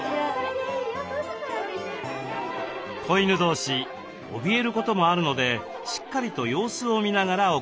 子犬同士おびえることもあるのでしっかりと様子を見ながら行います。